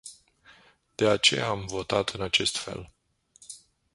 De aceea am votat în acest fel.